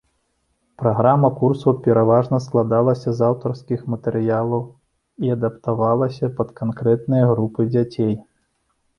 Праграма курсаў пераважна складалася з аўтарскіх матэрыялаў і адаптавалася пад канкрэтныя групы дзяцей.